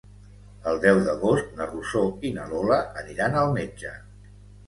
El deu d'agost na Rosó i na Lola aniran al metge.